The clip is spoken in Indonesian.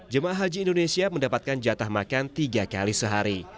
jemaah haji indonesia mendapatkan jatah makan tiga kali sehari